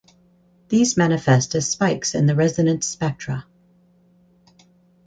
These manifest as spikes in the resonance spectra.